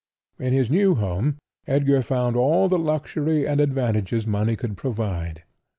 In his new home Edgar found all the luxury and advantages money could provide.